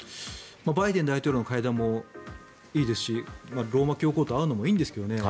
バイデン大統領の会談もいいですしローマ教皇と会うのもいいんですけどね